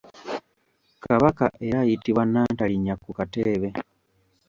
Kabaka era ayitibwa Nnantalinnya ku kateebe.